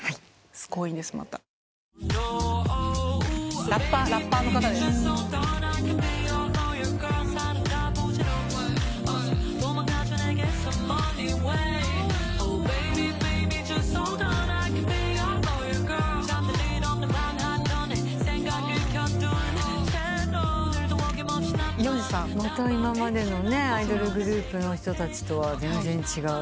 また今までのアイドルグループの人たちとは全然違う。